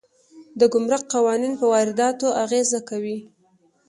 د ګمرک قوانین په وارداتو اغېز کوي.